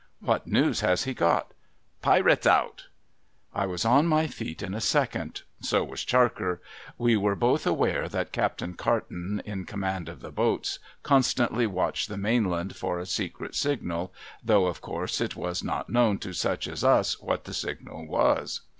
' What news has he got ?'' Pirates out !' I was on my feet in a second. So was Charker. ^\'e were both aware that Captain Carton, in command of the boats, constantly watched the mainland for a secret signal, though, of course, it was not known to such as us what the signal was.